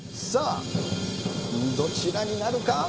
さあ、どちらになるか。